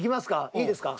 いいですか？